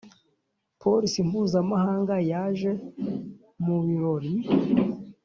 Polisi mpuzamahanga yaje mu birori.